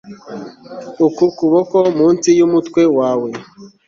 uku kuboko munsi yumutwe wawe